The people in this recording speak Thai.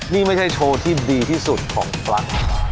นี่ไม่ใช่โชว์ที่ดีที่สุดของปลั๊ก